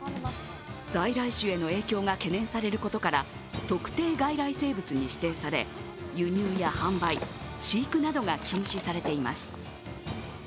在来種への影響が懸念されることから特定外来生物に指定され、輸入や販売、飼育などが禁止されています。